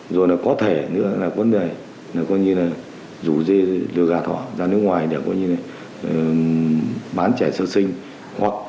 rồi có thể rủ dê đưa gà thỏ ra nước ngoài để bán trẻ sơ sinh